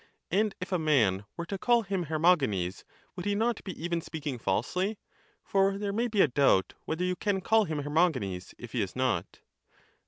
And if a man were to call him Hermogenes, would he not be even speaking falsely? For there may be a doubt whether you can call him Hermogenes, if he is not.